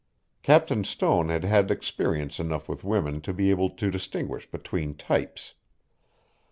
Captain Stone had had experience enough with women to be able to distinguish between types.